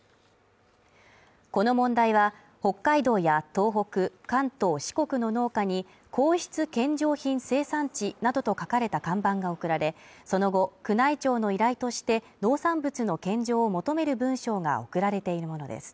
この問題は、北海道や東北、関東、四国の農家に皇室献上品生産地などと書かれた看板が送られ、その後、宮内庁の依頼として、農産物の献上を求める文章が送られているものです。